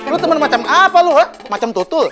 lu temen macam apa lu macem tutul